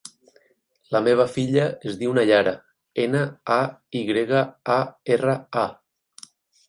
La meva filla es diu Nayara: ena, a, i grega, a, erra, a.